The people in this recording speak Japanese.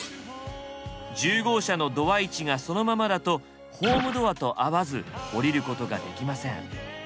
１０号車のドア位置がそのままだとホームドアと合わず降りることができません。